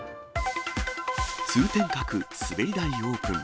通天閣、滑り台オープン。